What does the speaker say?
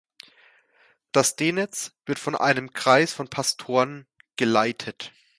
Das D-Netz wird von einem Kreis von Pastoren geleitet.